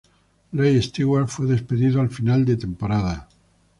Ray Stewart fue despedido al final de temporada.